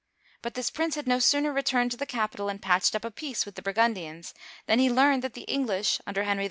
But this prince had no sooner returned to the capital and patched up a peace with the Burgundians, than he learned that the English, under Henry V.